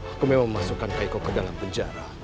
aku ingin memasukkan kak iko ke dalam penjara